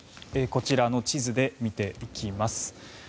こちらの地図で見ていきます。